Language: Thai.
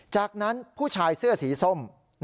จากนั้นผู้ชายเสื้อสีส้ม